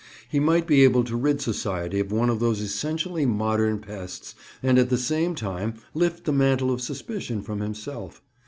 He might be able to rid society of one of those essentially modern pests, and at the same time lift the mantle of suspicion from himself.